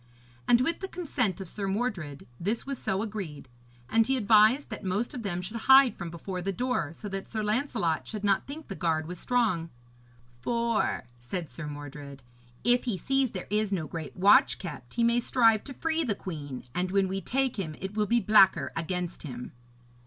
And with the consent of Sir Mordred this was so agreed; and he advised that most of them should hide from before the door, so that Sir Lancelot should not think the guard was strong. 'For,' said Sir Mordred, 'if he sees there is no great watch kept, he may strive to free the queen, and when we take him it will be blacker against him.'